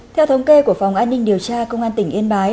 theo thống kê của phòng an ninh điều tra công an tỉnh yên bái